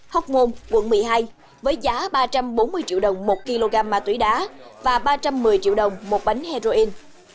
học ngôn quận một mươi hai với giá ba trăm bốn mươi triệu đồng một kg ma túy đá và ba trăm một mươi triệu đồng một bánh heroin